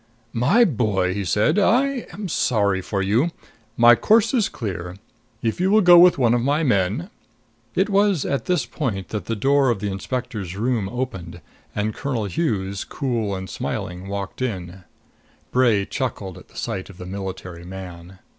"My boy," he said, "I am sorry for you. My course is clear. If you will go with one of my men " It was at this point that the door of the inspector's room opened and Colonel Hughes, cool and smiling, walked in. Bray chuckled at sight of the military man.